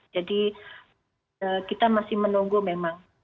jadi kita masih menunggu memang